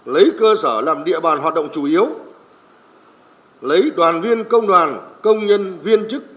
lấy cơ sở làm địa bàn hoạt động chủ yếu lấy đoàn viên công đoàn công nhân viên chức